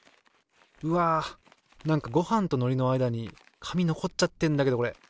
うわなんかごはんとのりの間に紙残っちゃってんだけどこれ。